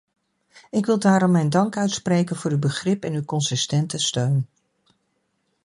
Ik wil daarom mijn dank uitspreken voor uw begrip en uw consistente steun.